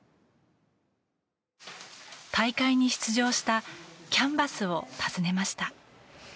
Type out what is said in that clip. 大会に出場したキャンバスを訪ねました。